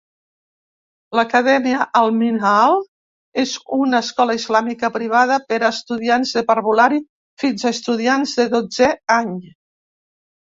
L'acadèmia Al-Minhaal és una escola islàmica privada per a estudiants de parvulari fins a estudiants de dotzè any.